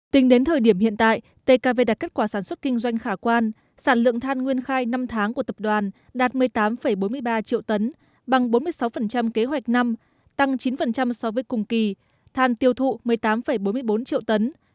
tính đến thời điểm hiện tại tkv đạt kết quả sản xuất kinh doanh khả quan sản lượng than nguyên khai năm tháng của tập đoàn đạt một mươi tám bốn mươi ba triệu tấn bằng bốn mươi sáu kế hoạch năm tăng chín so với cùng kỳ than tiêu thụ một mươi tám bốn mươi bốn triệu tấn